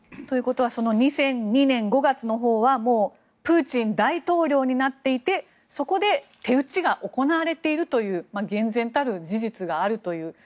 ということは２００２年５月のほうはもうプーチン大統領になっていてそこで手打ちが行われているという厳然たる事実があるという。